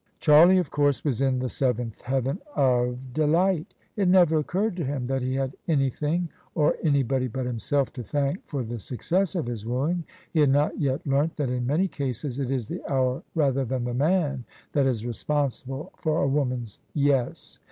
Charlie of course was in the seventh heaven of delight It never occurred to him that he had anything or anybody but himself to thank for the success of his wooing. He had not yet learnt that in many cases it is the hour rather than the man that is responsible for a woman's Yes.